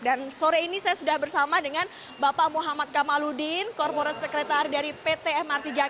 dan sore ini saya sudah bersama dengan bapak muhammad kamaludin korporat sekretari dari pt mrt jakarta